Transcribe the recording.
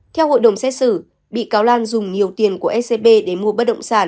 theo hội đồng xét xử bị cáo lan dùng nhiều tiền của scb để mua bất động sản